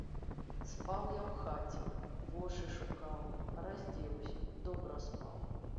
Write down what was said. Спаў я ў хаце, вошы шукаў, раздзеўся, добра спаў.